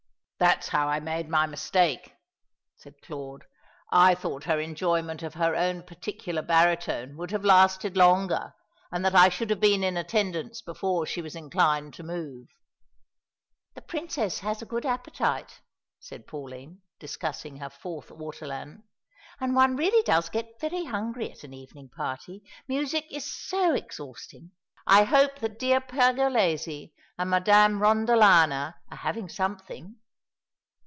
"That's how I made my mistake," said Claude. "I thought her enjoyment of her own particular baritone would have lasted longer, and that I should have been in attendance before she was inclined to move." "The Princess has a good appetite," said Pauline, discussing her fourth ortolan, "and one really does get very hungry at an evening party. Music is so exhausting. I hope that dear Pergolesi and Madame Rondolana are having something."